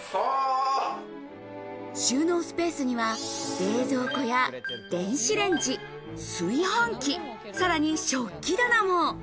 収納スペースには冷蔵庫や電子レンジ、炊飯器、さらに食器棚も。